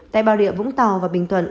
tại bà rịa vũng tàu và bình thuận